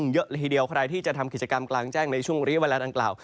เยอะเลยทีเดียวใครที่จะทำกิจกรรมกลางแจ้งในช่วงเรียกเวลาดังกล่าว